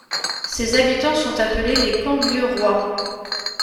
Ses habitants sont appelés les Cambieurois.